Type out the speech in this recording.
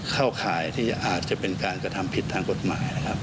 เข้าขายอาจเป็นการกระทำผิดทางกฎหมาย